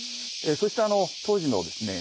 そして当時のですね